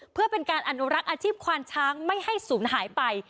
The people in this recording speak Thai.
เพื่อเป็นการอนุรักษ์อาชีพควานช้างไม่ให้ศูนย์หายไป